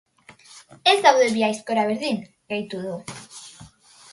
Ez daude bi aizkora berdin, gehitu du.